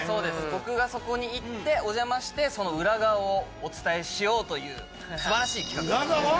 僕がそこに行って、お邪魔して、その裏側をお伝えしようという、すばらしい企画です。